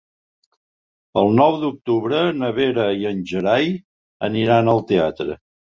El nou d'octubre na Vera i en Gerai aniran al teatre.